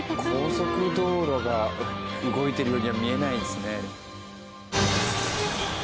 高速道路が動いてる時には見れないですね。